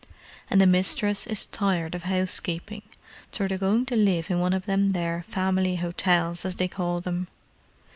"And the mistress is tired of 'ousekeeping, so they're going to live in one of them there family 'otels, as they call them."